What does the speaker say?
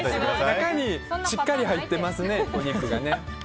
中にしっかり入ってますねお肉が。